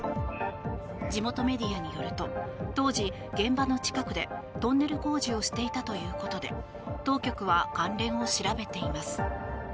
地元メディアによると当時、現場の近くでトンネル工事をしていたということで当局は関連を調べています。